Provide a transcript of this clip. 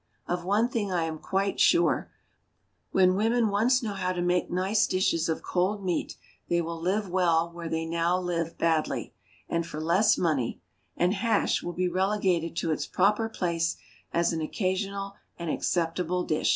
Of one thing I am quite sure: when women once know how to make nice dishes of cold meat they will live well where they now live badly, and for less money; and "hash" will be relegated to its proper place as an occasional and acceptable dish.